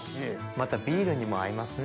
またビールにも合いますね。